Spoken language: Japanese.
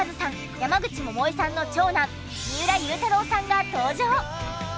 山口百恵さんの長男三浦祐太朗さんが登場！